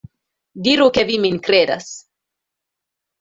Diru ke vi min kredas.